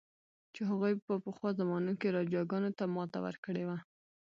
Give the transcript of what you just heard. چې هغوی په پخوا زمانو کې راجاګانو ته ماته ورکړې وه.